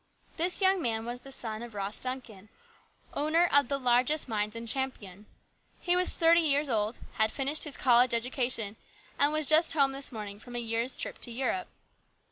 This young man was the son of Ross Duncan, owner of the largest mines in Champion. He was thirty years old, had finished his college education, and was just home this morning from a year's trip to Europe.